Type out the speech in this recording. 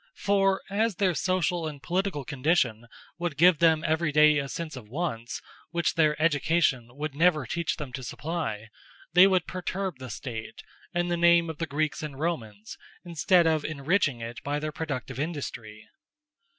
For as their social and political condition would give them every day a sense of wants which their education would never teach them to supply, they would perturb the State, in the name of the Greeks and Romans, instead of enriching it by their productive industry.